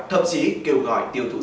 thậm chí kêu gọi tiêu thụ dụng